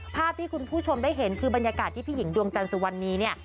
ภาพที่คุณผู้ชมได้เห็นคือบรรยากาศที่พี่หญิงดวงจันทร์สุวรรณีเนี่ย